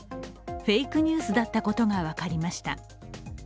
フェイクニュースだったことが分かりました。